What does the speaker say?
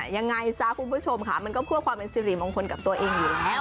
ยังไงซะคุณผู้ชมค่ะมันก็เพื่อความเป็นสิริมงคลกับตัวเองอยู่แล้ว